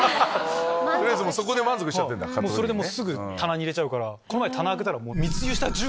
それで棚に入れちゃうからこの前棚開けたら。